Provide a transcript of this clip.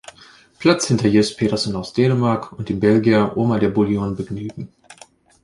Platz hinter Jess Pedersen aus Dänemark und dem Belgier Omer de Bouillon begnügen.